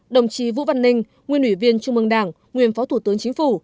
đồng chí vũ văn ninh nguyên ủy viên trung mương đảng nguyên phó thủ tướng chính phủ